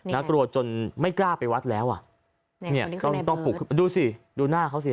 น่ากลัวจนไม่กล้าไปวัดแล้วอ่ะเนี่ยต้องต้องปลุกดูสิดูหน้าเขาสิ